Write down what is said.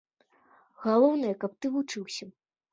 Галоўнае, каб ты вучыўся.